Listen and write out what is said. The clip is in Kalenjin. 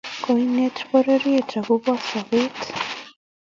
konet bororiet akobo sobet